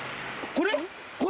これ？